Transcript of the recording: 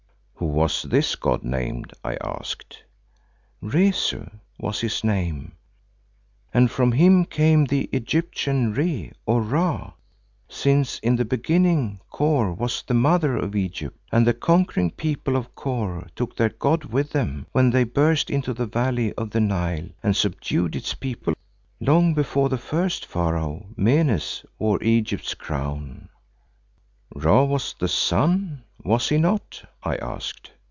"How was this god named?" I asked. "Rezu was his name, and from him came the Egyptian Re or Ra, since in the beginning Kôr was the mother of Egypt and the conquering people of Kôr took their god with them when they burst into the valley of the Nile and subdued its peoples long before the first Pharaoh, Menes, wore Egypt's crown." "Ra was the sun, was he not?" I asked.